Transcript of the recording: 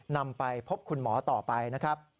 นำไปพบคุณหมอต่อไปนะครับ